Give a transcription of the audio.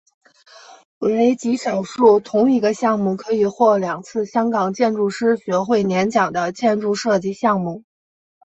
为极少数同一个项目可以获两次香港建筑师学会年奖的建筑设计项目。